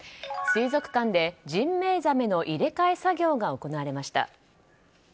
水族館でジンベエザメの入れ替え作業が行われました。